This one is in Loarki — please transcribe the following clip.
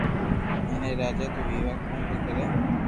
ھين اي راجا تو ويوا ڪون ڪوئي ڪري